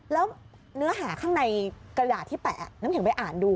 แล้วเนื้อหาข้างในกระดาษที่แปะน้ำแข็งไปอ่านดู